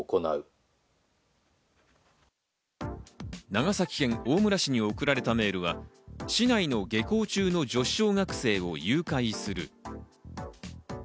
長崎県大村市に送られたメールは、市内の下校中の女子小学生を誘拐する。